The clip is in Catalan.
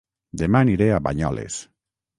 Dema aniré a Banyoles